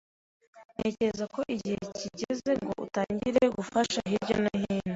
Ntekereza ko igihe kirageze ngo utangire gufasha hirya no hino.